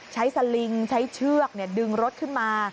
สลิงใช้เชือกดึงรถขึ้นมา